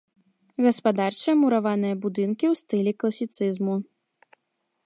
Гаспадарчыя мураваныя будынкі ў стылі класіцызму.